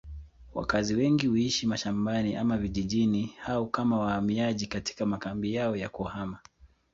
Wakazi wengi huishi mashambani ama vijijini au kama wahamiaji katika makambi yao ya kuhama.